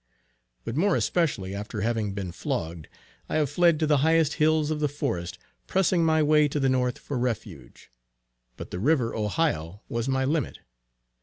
But more especially after having been flogged, I have fled to the highest hills of the forest, pressing my way to the North for refuge; but the river Ohio was my limit.